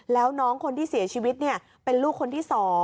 แล้วน้องคนที่เสียชีวิตเป็นลูกคนที่๒